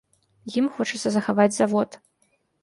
Ім хочацца захаваць завод.